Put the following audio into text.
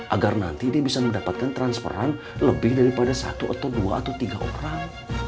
agar nanti dia bisa mendapatkan transferan lebih daripada satu atau dua atau tiga orang